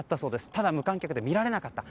ただ、無観客で見られなかった。